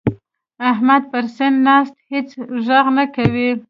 احمد پړسنده ناست؛ هيڅ ږغ نه کوي.